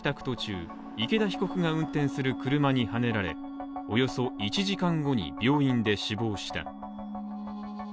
途中、池田被告が運転する車にはねられ、およそ１時間後に、病院で死亡した。